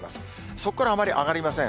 そこからあまり上がりません。